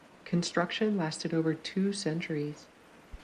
Construction lasted over two centuries.